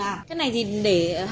cái này để hạn sử dụng như thế nào chị